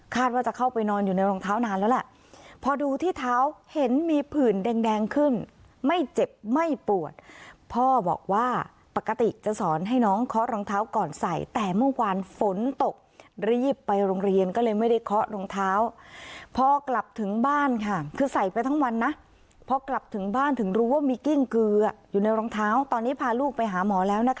ว่าจะเข้าไปนอนอยู่ในรองเท้านานแล้วแหละพอดูที่เท้าเห็นมีผื่นแดงขึ้นไม่เจ็บไม่ปวดพ่อบอกว่าปกติจะสอนให้น้องเคาะรองเท้าก่อนใส่แต่เมื่อวานฝนตกรีบไปโรงเรียนก็เลยไม่ได้เคาะรองเท้าพอกลับถึงบ้านค่ะคือใส่ไปทั้งวันนะพอกลับถึงบ้านถึงรู้ว่ามีกิ้งเกลืออยู่ในรองเท้าตอนนี้พาลูกไปหาหมอแล้วนะคะ